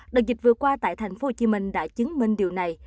đợt dịch vừa qua tại thành phố hồ chí minh đã chứng minh điều này